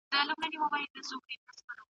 تاسو باید خپل ایمیلونه هره اوونۍ یو ځل پاک کړئ.